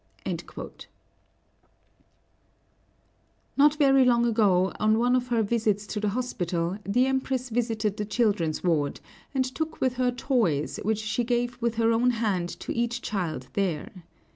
Not very long ago, on one of her visits to the hospital, the Empress visited the children's ward, and took with her toys, which she gave with her own hand to each child there.